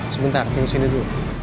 sebentar tunggu sini dulu